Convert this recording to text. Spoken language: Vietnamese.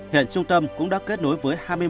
hiện trung tâm cũng đã kết nối với